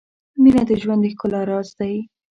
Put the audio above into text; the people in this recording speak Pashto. • مینه د ژوند د ښکلا راز دی.